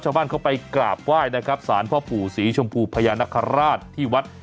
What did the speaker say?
ชาวบ้านเข้าไปกราบไหว้นะครับสารพ่อปู่ศรีชมพูพญานคราชที่วัด